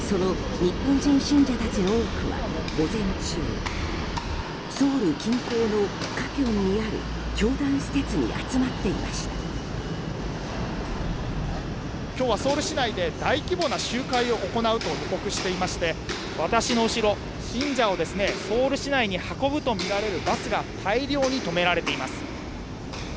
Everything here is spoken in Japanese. その日本人信者たちの多くは午前中ソウル近郊のカピョンにある教団施設に集まっていました今日はソウル市内で大規模な集会を行うと予告していまして私の後ろ信者をソウル市内に運ぶとみられるバスが大量に止められています。